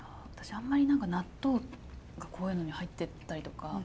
あんまり何か納豆がこういうのに入ってたりとか